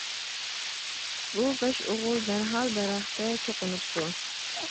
بۇ بەش ئوغۇل دەرھال دەرەخكە چوقۇنۇپتۇ.